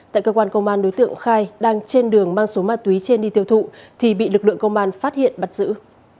tại cơ quan công an đối tượng khai đang trên đường mang số ma túy trên đi tiêu thụ thì bị lực lượng công an phát hiện bắt giữ